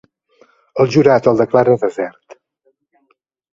El jurat el declara Desert.